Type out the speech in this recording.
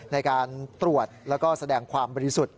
ในการตรวจแล้วก็แสดงความบริสุทธิ์